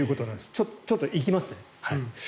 ちょっと行きますね。